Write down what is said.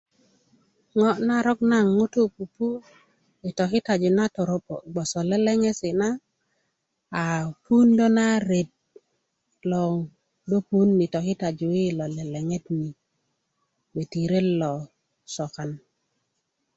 ŋo narok naŋ ŋutu pupu i tokitaju na toro'bo bgwoso leleŋesi na a puundo na ret loŋ do pouun i tokitaju na i lo leleŋet bgeti ret lo sokan